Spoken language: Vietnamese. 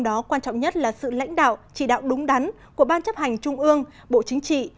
đó quan trọng nhất là sự lãnh đạo chỉ đạo đúng đắn của ban chấp hành trung ương bộ chính trị